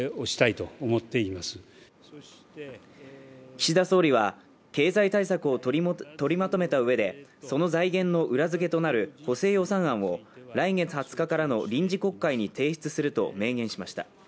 岸田総理大臣は、経済対策を取りまとめたうえでその財源の裏付けとなる補正予算案を来月２０日からの臨時国会に提出すると明言しました。